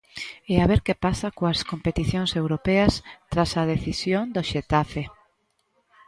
E a ver que pasa coas competicións europeas tras a decisión do Xetafe.